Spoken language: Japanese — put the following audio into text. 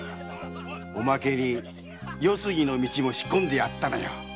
おまけに世過ぎの途も仕込んでやったのよ。